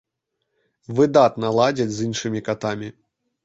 Выдатна ладзяць з іншымі катамі.